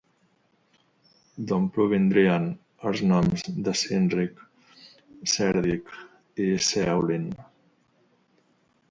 D'on provindrien els noms Cynric, Cerdic i Ceawlin?